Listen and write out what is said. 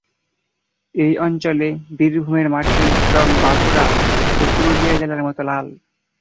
এই অঞ্চলে বীরভূমের মাটির রং বাঁকুড়া ও পুরুলিয়া জেলার মতো লাল।